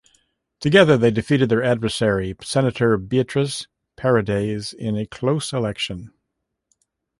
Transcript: Together, they defeated their adversary, Senator Beatriz Paredes in a close election.